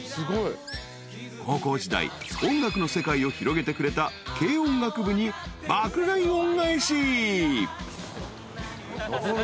［高校時代音楽の世界を広げてくれた軽音楽部に爆買い恩返し］